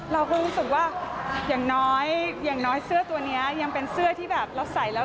เราก็รู้สึกว่าอย่างน้อยเสื้อตัวนี้ยังเป็นเสื้อที่เราใส่แล้ว